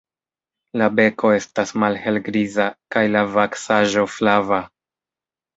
La beko estas malhelgriza kaj la vaksaĵo flava.